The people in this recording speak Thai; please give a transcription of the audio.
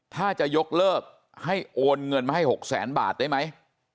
ถ้าจะยกเลิกให้โอนเงินมาให้๖แสนบาทได้ไหม